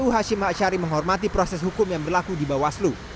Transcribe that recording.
hasim haasyari menghormati proses hukum yang berlaku di bawaslu